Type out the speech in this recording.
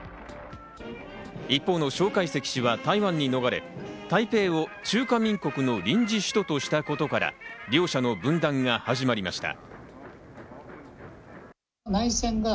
一方のショウ・カイセキ氏は台湾に逃れ、台北を中華民国の臨時首都としたことから、両者の分断が始まりました。